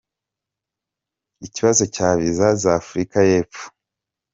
Ikibazo cya Visa za Afrika y’Epfo.